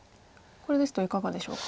これですといかがでしょうか。